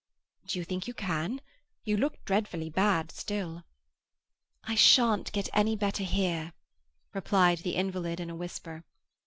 "Do you think you can? You look dreadfully bad still." "I shan't get any better here," replied the invalid in a whisper.